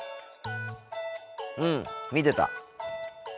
うん見てた。